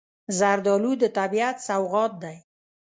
زردالو د طبیعت سوغات دی.